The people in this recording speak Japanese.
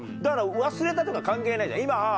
だから忘れたとか関係ないじゃん。